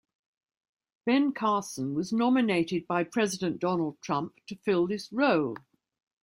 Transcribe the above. Ben Carson was nominated by President Donald Trump to fill this role.